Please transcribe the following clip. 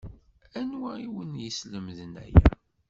Anwa i wen-yeslemden aya?